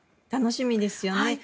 楽しみですよね。